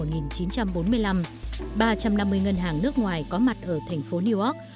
ba trăm năm mươi ngân hàng nước ngoài có mặt ở thành phố new york